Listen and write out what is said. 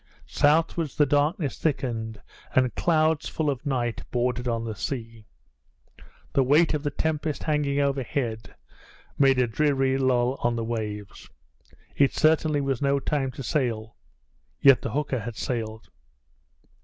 Southwards the darkness thickened, and clouds, full of night, bordered on the sea. The weight of the tempest hanging overhead made a dreary lull on the waves. It certainly was no time to sail. Yet the hooker had sailed.